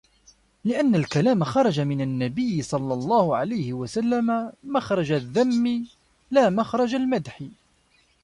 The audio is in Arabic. لِأَنَّ الْكَلَامَ خَرَجَ مِنْ النَّبِيِّ صَلَّى اللَّهُ عَلَيْهِ وَسَلَّمَ مَخْرَجَ الذَّمِّ لَا مَخْرَجَ الْمَدْحِ